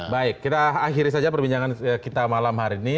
baik kita akhiri saja perbincangan kita malam hari ini